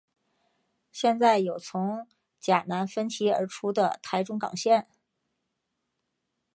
现在有从甲南分歧而出的台中港线。